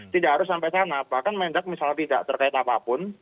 tidak harus sampai sana bahkan mendak misalnya tidak terkait apapun